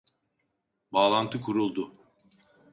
Bağlantı kuruldu.